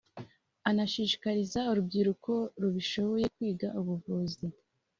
anashishikariza urubyiruko rubishoboye kwiga ubuvuzi